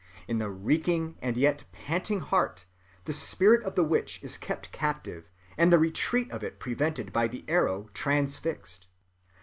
In the reeking and yet panting heart, the spirit of the witch is kept captive, and the retreat of it prevented by the arrow transfixed.